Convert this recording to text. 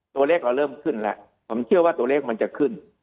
เราเริ่มขึ้นแล้วผมเชื่อว่าตัวเลขมันจะขึ้น